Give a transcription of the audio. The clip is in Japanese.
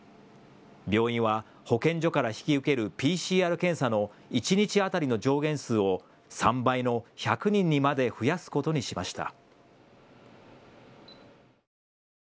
病院は保健所から引き受けるＰＣＲ検査の一日当たりの上限数を３倍の１００人にまで増やすことにしました。